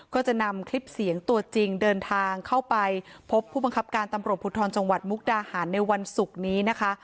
ก็จะนำคลิปเสียงตัวจริงเดินทางเข้าไปพบผู้บังคับการตำรวจภูทรจังหวัดมุกดาหารในวันศุกร์นี้นะคะ